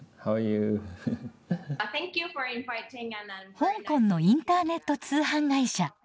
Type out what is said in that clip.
香港のインターネット通販会社。